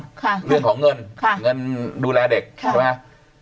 เรื่องของเงินดูแลเด็กใช่ไหม